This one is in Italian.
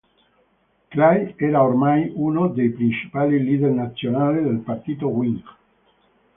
Clay era ormai uno dei principali leader nazionali del Partito Whig.